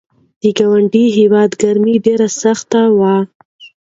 د ګاونډي هیواد ګرمي ډېره سخته وه.